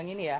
yang ini ya